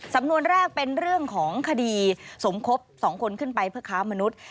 สำนวนแรกเป็นเรื่องของคดีสมคบ๒คนขึ้นไปเพื่อค้ามนุษย์